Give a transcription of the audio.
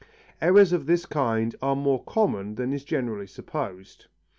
Errors of this kind are more common than is generally supposed.